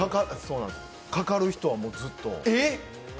かかる人は、ずっと。